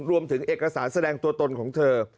รวมถึงเอกสารแสดงตัวตนของเธอ